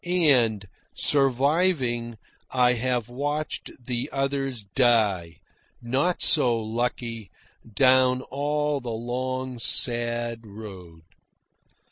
And, surviving, I have watched the others die, not so lucky, down all the long sad road.